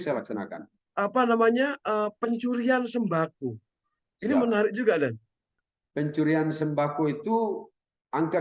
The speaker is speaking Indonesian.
saya laksanakan apa namanya pencurian sembako ini menarik juga dan pencurian sembako itu angka